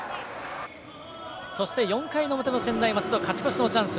そして、４回の表の専大松戸は勝ち越しのチャンス。